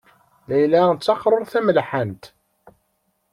Layla d taqṛuṛt tamelḥant.